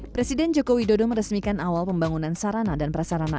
presiden joko widodo meresmikan awal pembangunan sarana dan prasarana